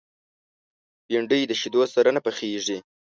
بېنډۍ د شیدو سره نه پخېږي